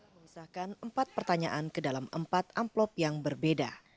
mengisahkan empat pertanyaan ke dalam empat amplop yang berbeda